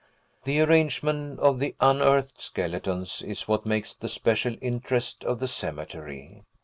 The arrangement of the unearthed skeletons is what makes the special interest of the cemetery.